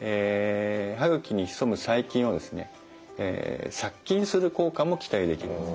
歯ぐきに潜む細菌をですね殺菌する効果も期待できるんです。